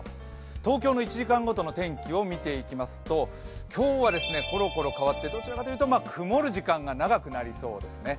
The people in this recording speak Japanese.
東京の１時間ごとの天気を見ていきますと、今日はころころ変わって、どちらかというと曇る時間が長くなりそうですね。